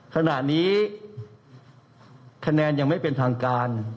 ขณะนี้คะแนนยังไม่เป็นทางการ